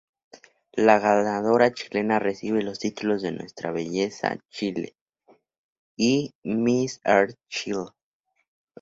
La ganadora chilena recibe los títulos de "Nuestra Belleza Chile" y "Miss Earth Chile".